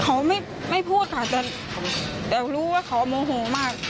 เขาไม่พูดค่ะแต่รู้ว่าเขาโมโหมาก